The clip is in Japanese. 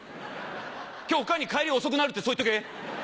今日おっかぁに帰り遅くなるってそう言っとけ。